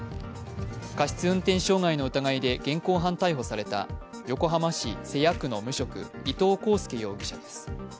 過失運転傷害の疑いで現行犯逮捕された横浜市瀬谷区の無職、伊東航介容疑者です。